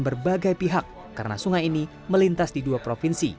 berbagai pihak karena sungai ini melintas di dua provinsi